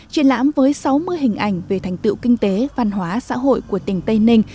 triển lãm với sáu mươi hình ảnh về thành tựu kinh tế văn hóa xã hội của tỉnh tây ninh